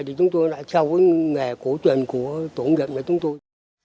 thì chúng tôi lại theo cái nghề cổ truyền của tổ nghiệp này chúng tôi